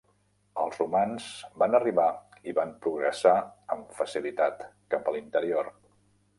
Els romans van arribar i van progressar amb facilitat cap a l'interior.